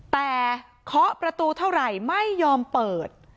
แต่เคาะประตูเท่าไหร่ไม่ยอมเปิด